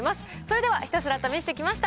それではひたすら試してきました。